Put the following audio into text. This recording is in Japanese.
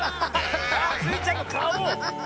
スイちゃんのかお！